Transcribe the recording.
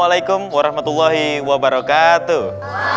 waalaikumsalam warahmatullahi wabarakatuh